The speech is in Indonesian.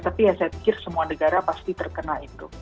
tapi ya saya pikir semua negara pasti terkena itu